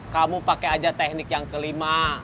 kamu pakai aja teknik yang kelima